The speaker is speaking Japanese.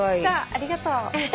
ありがとう。